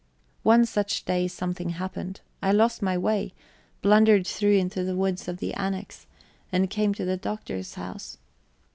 One such day something happened. I lost my way, blundered through into the woods of the annexe, and came to the Doctor's house.